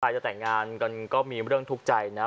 จะแต่งงานกันก็มีเรื่องทุกข์ใจนะ